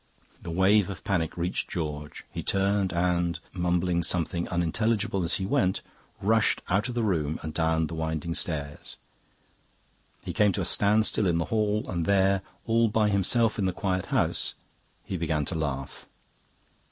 The wave of panic reached George; he turned and, mumbling something unintelligible as he went, rushed out of the room and down the winding stairs. He came to a standstill in the hall, and there, all by himself in the quiet house, he began to laugh.